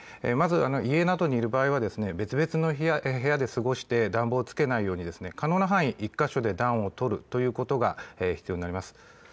まず家などにいる場合は別々の部屋で過ごして暖房つけないように可能な範囲で１か所で暖を取るということが必要になります。